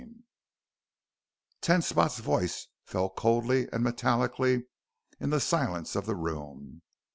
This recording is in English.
Ten Spot's voice fell coldly and metallically in the silence of the room.